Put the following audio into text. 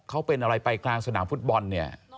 เขาเป็นอะไรไปกลางสนามฟุตบอลเนี่ย